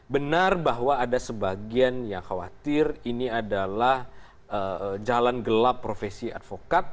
benar bahwa ada sebagian yang khawatir ini adalah jalan gelap profesi advokat